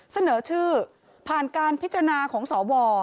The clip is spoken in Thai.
เสนอชื่อผ่านการพิจารณาของสว